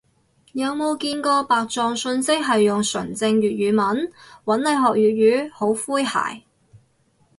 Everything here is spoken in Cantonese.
有冇見過白撞訊息係用純正粵語問，搵你學粵語？好詼諧